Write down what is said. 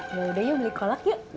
yaudah yuk beli kolek yuk